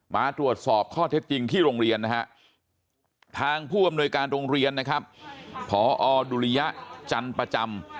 มาตรวจสอบข้อเท็จจริงที่โรงเรียนนะฮะทางผู้อำนวยการโรงเรียนนะครับพอดุริยะจันทร์ประจำ